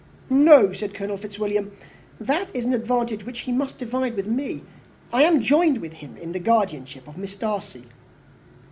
"No," said Colonel Fitzwilliam, "that is an advantage which he must divide with me. I am joined with him in the guardianship of Miss Darcy."